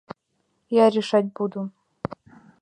Я решать буду.